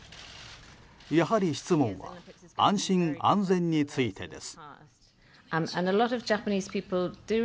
やはり質問は安心・安全についてです。